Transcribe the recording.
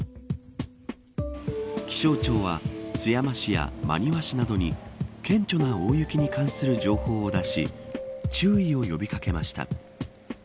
気象庁は津山市や真庭市などに顕著な大雪に関する情報を出し注意を呼び掛けました。